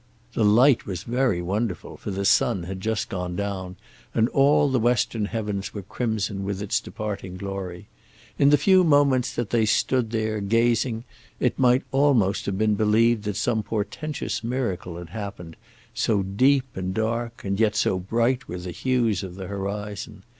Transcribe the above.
The light was very wonderful, for the sun had just gone down and all the western heavens were crimson with its departing glory. In the few moments that they stood there gazing it might almost have been believed that some portentous miracle had happened, so deep and dark, and yet so bright, were the hues of the horizon.